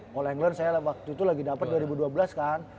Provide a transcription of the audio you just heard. kalau yang gue leren saya waktu itu lagi dapet dua ribu dua belas kan